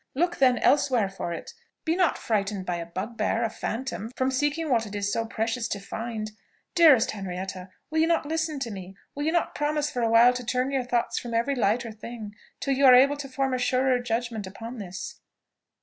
Look then elsewhere for it. Be not frightened by a bugbear, a phantom, from seeking what it is so precious to find! Dearest Henrietta! will you not listen to me? will you not promise for a while to turn your thoughts from every lighter thing, till you are able to form a surer judgment upon this?"